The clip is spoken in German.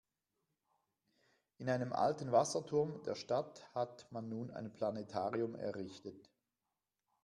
In einem alten Wasserturm der Stadt hat man nun ein Planetarium errichtet.